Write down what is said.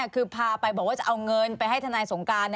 คือพาไปบอกว่าจะเอาเงินไปให้ทนายสงการ